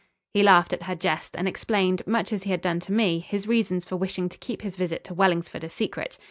He laughed at her jest and explained, much as he had done to me, his reasons for wishing to keep his visit to Wellingsford a secret.